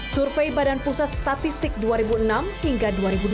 survei badan pusat statistik dua ribu enam hingga dua ribu dua puluh